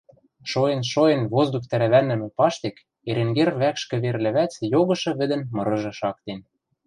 Шоэн-шоэн воздух тӓрвӓнӹмӹ паштек Эренгер вӓкш кӹвер лӹвӓц йогышы вӹдӹн мырыжы шактен.